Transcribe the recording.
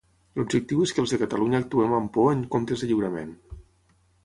L'objectiu és que els de Catalunya actuem amb por en comptes de lliurament.